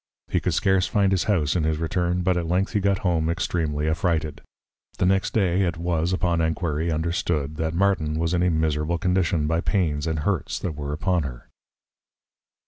He could scarce find his House in his Return; but at length he got home extreamly affrighted. The next day, it was upon Enquiry understood, that Martin was in a miserable condition by pains and hurts that were upon her.